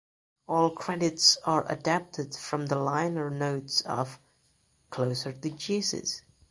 All credits are adapted from the liner notes of "Closer to Jesus".